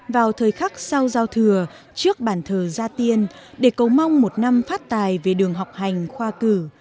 vào thời khắc sau giao thừa trước bàn thờ gia tiên để cầu mong một năm phát tài về đường học hành khoa cử